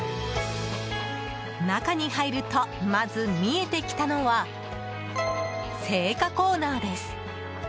中に入ると、まず見えてきたのは青果コーナーです。